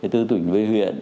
từ tỉnh về huyện